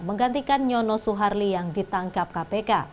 menggantikan nyono suharli yang ditangkap kpk